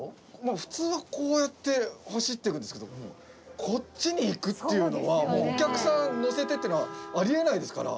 普通はこうやって走っていくんですけどこっちに行くっていうのはもうお客さん乗せてっていうのはありえないですから。